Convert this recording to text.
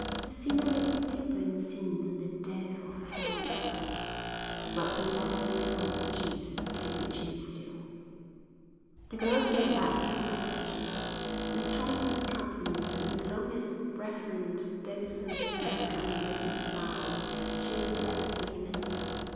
The sinner may be deeper in sin than the depth of hell itself, but the love of the Lord Jesus can reach him still." The girl came back with the message. "Miss Thompson's compliments and as long as Rev. Davidson don't come in business hours she'll be glad to see him any time."